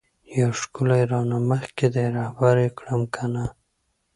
یو ښکلی رانه مخکی دی رهبر یی کړم کنه؟